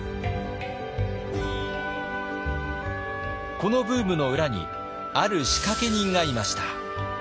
このブームの裏にある仕掛け人がいました。